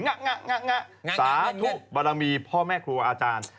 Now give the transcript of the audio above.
ง่ะง่ะง่ะง่ะง่ะง่ะสาธุบรรจามีพ่อแม่ครูอาจารย์